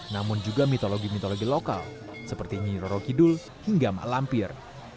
namun juga mitologi mitologi lokal seperti nyiroro kidul hingga malampir